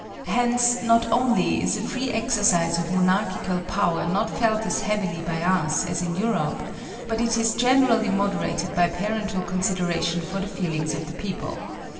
Hence not only is a free exercise of monarchical power not felt as heavily by us as in Europe, but it is generally moderated by parental consideration for the feelings of the people.